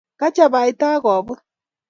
Kachabaita akobut